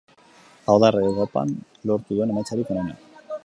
Hau da Errege Kopan lortu duen emaitzarik onena.